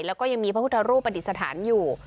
แล้วก็ยังมีพระพุทธรูปปฏิสถานอยู่